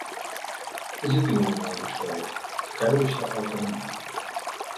Пазітыўны малады чалавек, цікавіўся аўтамабілямі.